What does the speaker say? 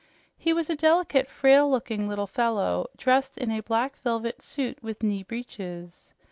He was a delicate, frail looking little fellow, dressed in a black velvet suit with knee breeches.